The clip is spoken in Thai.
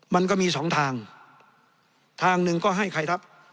มันก็มีสองทางทางหนึ่งก็ให้ใครรับ